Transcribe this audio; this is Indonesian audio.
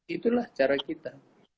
itulah cara kita